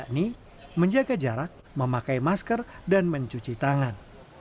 sementara situs lainnya menjaga jarak memakai masker dan mencuci tangan